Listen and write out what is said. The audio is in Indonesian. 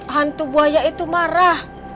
hantu buaya itu marah